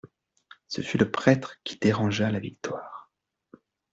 Ce fut le prêtre qui dérangea la victoire.